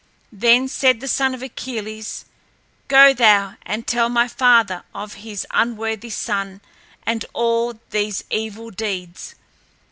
Then said the son of Achilles, "Go thou and tell my father of his unworthy son and all these evils deeds.